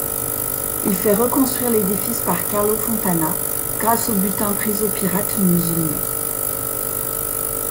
Il fait reconstruire l'édifice par Carlo Fontana grâce aux butins pris aux pirates musulmans.